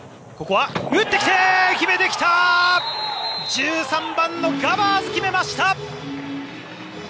１３番のガバーズ、決めました！